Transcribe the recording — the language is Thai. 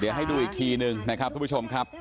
เดี๋ยวให้ดูอีกทีหนึ่งนะครับทุกผู้ชมครับ